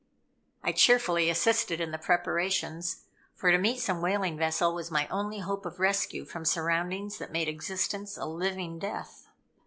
I cheerfully assisted in the preparations, for to meet some whaling vessel was my only hope of rescue from surroundings that made existence a living death.